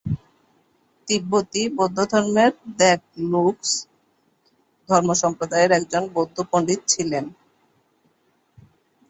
তিব্বতী বৌদ্ধধর্মের দ্গে-লুগ্স ধর্মসম্প্রদায়ের একজন বৌদ্ধ পণ্ডিত ছিলেন।